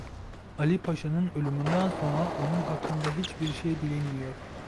Ali Paşa'nın ölümünden sonra onun hakkında hiçbir şey bilinmiyor.